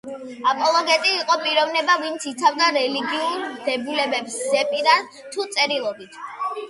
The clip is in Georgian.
აპოლოგეტი იყო პიროვნება, ვინც იცავდა რელიგიურ დებულებებს ზეპირად თუ წერილობით.